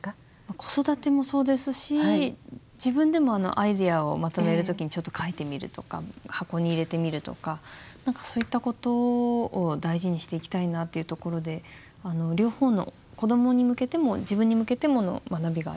子育てもそうですし自分でもアイデアをまとめる時にちょっと描いてみるとか箱に入れてみるとか何かそういったことを大事にしていきたいなっていうところで両方の子どもに向けても自分に向けてもの学びがありました。